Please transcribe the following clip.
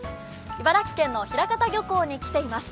茨城県の平潟漁港に来ています。